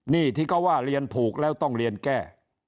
นี่ที่เขาว่าเรียนผูกแล้วต้องเรียนแก้